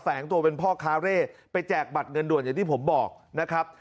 ตัวเป็นพ่อค้าเร่ไปแจกบัตรเงินด่วนอย่างที่ผมบอกนะครับ